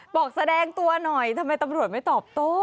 บอกแสดงตัวหน่อยทำไมตำรวจไม่ตอบโต้